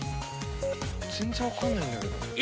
全然分かんないんだけど。